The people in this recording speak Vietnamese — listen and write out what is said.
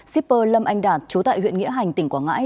shipper lâm anh đạt chú tại huyện nghĩa hành tỉnh quảng ngãi